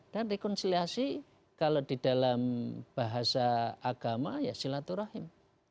dan rekonsiliasi kalau di dalam bahasa agama ya silaturahim